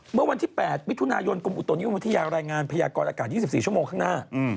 เมื่อวันที่๘มิถุนายนกรมอุตุนิยมวิทยารายงานพยากรอากาศ๒๔ชั่วโมงข้างหน้า